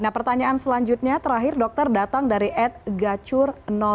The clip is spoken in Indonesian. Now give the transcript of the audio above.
nah pertanyaan selanjutnya terakhir dokter datang dari ed gacur